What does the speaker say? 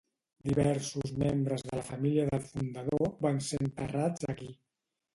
Diversos membres de la família del fundador van ser enterrats aquí.